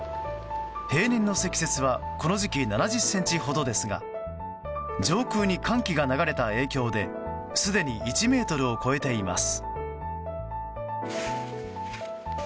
平年の積雪はこの時期７０ｃｍほどですが上空に寒気が流れた影響ですでに１ｍを超えています。